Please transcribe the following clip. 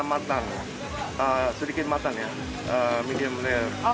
matang sedikit matang ya medium rare